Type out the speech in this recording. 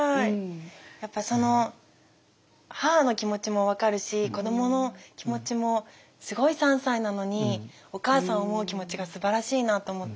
やっぱその母の気持ちも分かるし子どもの気持ちもすごい３歳なのにお母さんを思う気持ちがすばらしいなと思って。